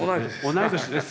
同い年です。